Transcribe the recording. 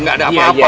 nggak ada apa apa